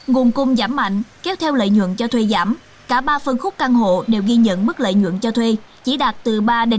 nguồn cung giảm mạnh kéo theo lợi nhuận cho thuê giảm cả ba phân khúc căn hộ đều ghi nhận mức lợi nhuận cho thuê chỉ đạt từ ba năm